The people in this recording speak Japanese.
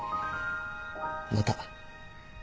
また。